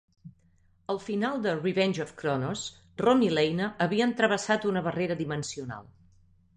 Al final de "Revenge of Cronos", Rom i Leina havien travessat una barrera dimensional.